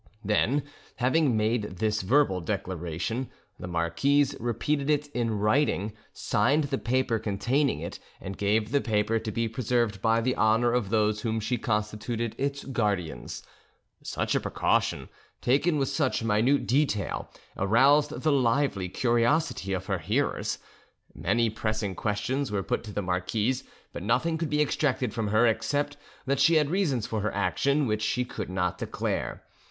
Then, having made this verbal declaration, the marquise repeated it in writing, signed the paper containing it, and gave the paper to be preserved by the honour of those whom she constituted its guardians. Such a precaution, taken with such minute detail, aroused the lively curiosity of her hearers. Many pressing questions were put to the marquise, but nothing could be extracted from her except that she had reasons for her action which she could not declare.